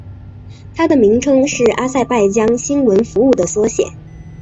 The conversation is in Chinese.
它的名称是阿塞拜疆新闻服务的缩写。